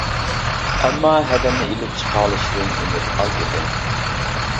ئەمما ھەدەمنى ئېلىپ چىقالىشىدىن ئۈمىد ئاز ئىدى.